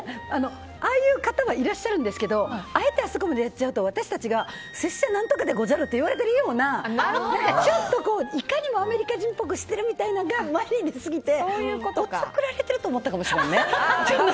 ああいう方はいらっしゃるんですけどあえてあそこまでやっちゃうと私たちが拙者、何々でござるとか言われてるような、ちょっといかにもアメリカ人っぽくしてるみたいなのが前に出すぎておちょくられてると思ったかもしれんね。